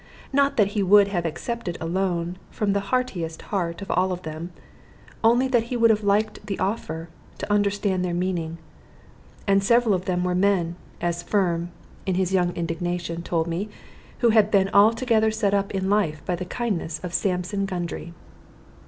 Not that he would have accepted a loan from the heartiest heart of all of them, only that he would have liked the offer, to understand their meaning. And several of them were men as Firm, in his young indignation, told me who had been altogether set up in life by the kindness of Sampson Gundry.